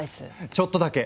ちょっとだけ！